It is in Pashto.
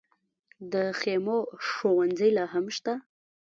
د خیمو ښوونځي لا هم شته؟